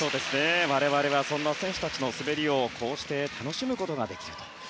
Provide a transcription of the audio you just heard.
我々はそんな選手たちの滑りをこうして楽しむことができると。